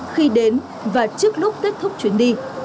khi đến và trước lúc kết thúc chuyến đi